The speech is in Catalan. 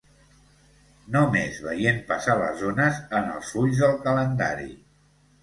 No més veient passar les ones en els fulls del calendari